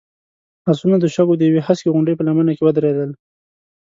آسونه د شګو د يوې هسکې غونډۍ په لمنه کې ودرېدل.